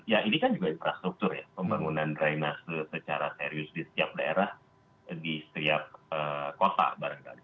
ya ini kan juga infrastruktur ya pembangunan drainase secara serius di setiap daerah di setiap kota barangkali